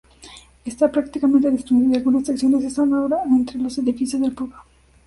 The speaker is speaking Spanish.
Está prácticamente destruido y algunas secciones están ahora entre los edificios del pueblo.